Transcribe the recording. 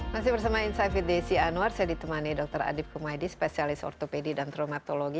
masih bersama insight with desi anwar saya ditemani dr adib kumaydi spesialis ortopedi dan traumatologi